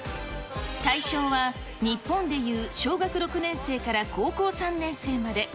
対象は日本でいう小学６年生から高校３年生まで。